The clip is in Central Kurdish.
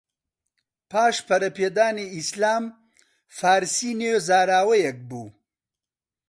پاش پەرەپێدانی ئیسلام، فارسی نوێ زاراوەیەک بوو